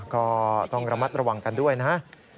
ก็ต้องระมัดระวังกันด้วยนะ